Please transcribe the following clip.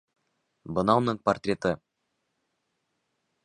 Бына уның портреты!